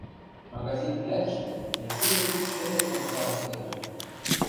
Магазин клӓтӹштӹ нӹлшӱдӹ пуд шӹльӹ портялтде ыльы.